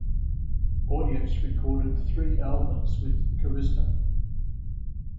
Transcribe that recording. Audience recorded three albums with Charisma.